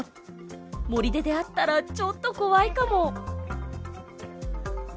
森で出会ったらちょっと怖いかも！